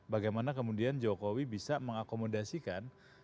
bagaimana kemudian jokowi bisa mengakomodasikan